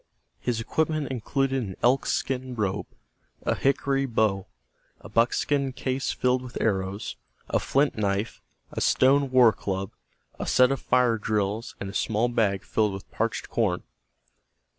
His equipment included an elk skin robe, a hickory bow, a buckskin case filled with arrows, a flint knife, a stone war club, a set of fire drills and a small bag filled with parched corn.